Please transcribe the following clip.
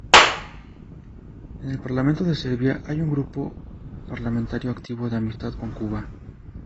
En el parlamento de Serbia hay un grupo parlamentario activo de amistad con Cuba.